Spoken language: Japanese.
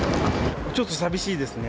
ちょっと寂しいですね。